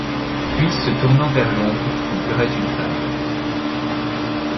Puis se tournant vers l'ombre où pleurait une femme